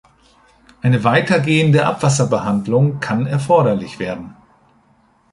Eine weitergehende Abwasserbehandlung kann erforderlich werden.